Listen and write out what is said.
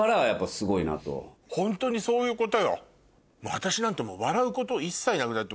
私なんて。